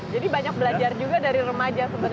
jadi banyak belajar juga dari remaja sebenarnya